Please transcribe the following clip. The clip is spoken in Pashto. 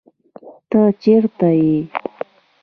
ته چېرته يې